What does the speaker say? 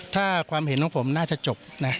ถ้าความเห็นของผมน่าจะจบนะ